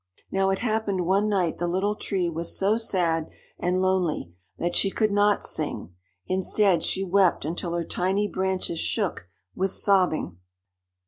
Now it happened one night the Little Tree was so sad and lonely that she could not sing; instead, she wept until her tiny branches shook with sobbing.